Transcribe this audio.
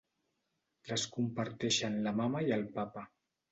Les comparteixen la mama i el papa.